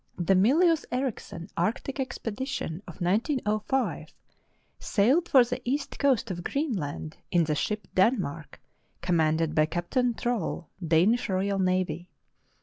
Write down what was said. THE Myllus Erichsen arctic expedition of 1905 sailed for the east coast of Greenland in the ship Danmarky commanded by Captain Trolle, Danish Royal Navy.